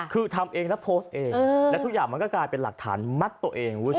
คือทำเองแล้วโพสต์เองแล้วทุกอย่างมันก็กลายเป็นหลักฐานมัดตัวเองคุณผู้ชม